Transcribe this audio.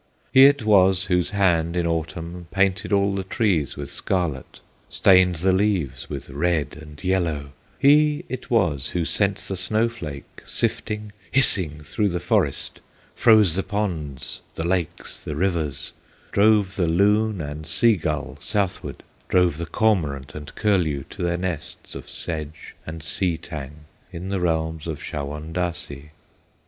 He it was whose hand in Autumn Painted all the trees with scarlet, Stained the leaves with red and yellow; He it was who sent the snow flake, Sifting, hissing through the forest, Froze the ponds, the lakes, the rivers, Drove the loon and sea gull southward, Drove the cormorant and curlew To their nests of sedge and sea tang In the realms of Shawondasee.